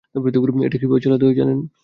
এটা কীভাবে চালাতে হয় জানেন?